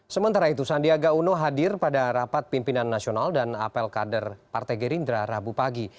sementara itu sandiaga uno hadir pada rapat pimpinan nasional dan apel kader partai gerindra rabu pagi